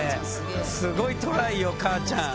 すごいトライよ母ちゃん。